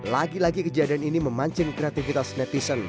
lagi lagi kejadian ini memancing kreativitas netizen